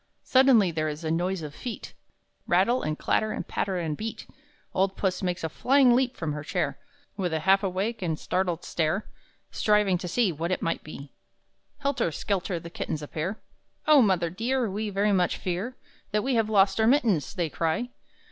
Suddenly there is a noise of feet Rattle and clatter and patter and beat! Old Puss makes a flying leap from her chair, With a half awake and startled stare, Striving to see What it may be. Helter skelter the kittens appear; "Oh mother dear, we very much fear That we have lost our mittens!" they cry.